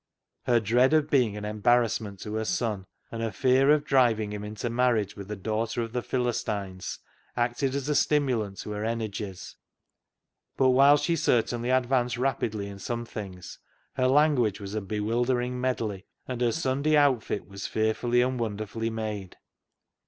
Her dread of being an embarrass ment to her son, and her fear of driving him into marriage with a daughter of the PhiHs tines, acted as a stimulant to her energies, but whilst she certainly advanced rapidly in some things, her language was a bewildering medley, and her Sunday outfit was fearfully and wonderfully made.